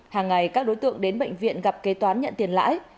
hàng ngày các đối tượng đến bệnh viện gặp kế toán nhận tiền lãi